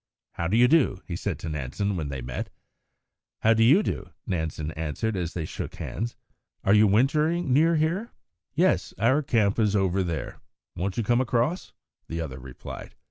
"How do you do?" he said to Nansen when they met. "How do you do?" Nansen answered, as they shook hands. "Are you wintering near here?" "Yes; our camp is over there. Won't you come across?" the other replied.